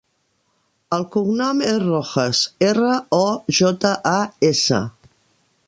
El cognom és Rojas: erra, o, jota, a, essa.